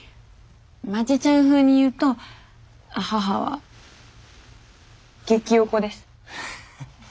まちちゃん風に言うと母は「激オコ」です。